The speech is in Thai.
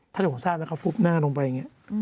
ถ้าเกิดผมทราบแล้วเขาฟุบหน้าลงไปอย่างนี้